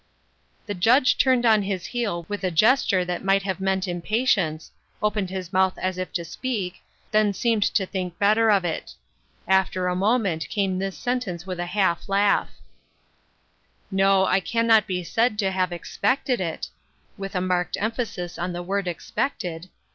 The Judge turned on his heel with a gesture that might have meant impatience, opened his mouth as if to speak, then seemed to think better of it. After a moment came this sentence with a half laugh :—" No, I cannot be said to have expected it " (with a marked emphasis on the word "expected").